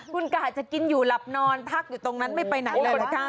คุณกะจะกินอยู่หลับนอนพักอยู่ตรงนั้นไม่ไปไหนเลยนะคะ